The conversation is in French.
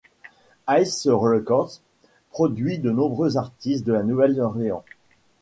Ace Records produit de nombreux artistes de La Nouvelle-Orléans.